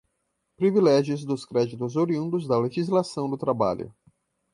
privilégios dos créditos oriundos da legislação do trabalho